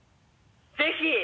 ぜひ！